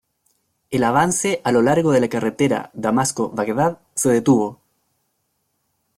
El avance a lo largo de la carretera Damasco-Bagdad se detuvo.